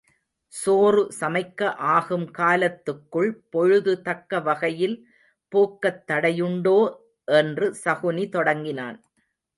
சோறு சமைக்க ஆகும் காலத்துக்குள் பொழுது தக்க வகையில் போக்கத் தடையுண்டோ என்று சகுனி தொடங்கினான்.